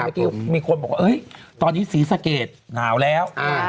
เมื่อกี้มีคนบอกว่าตอนนี้ศรีสะเกดหนาวแล้ว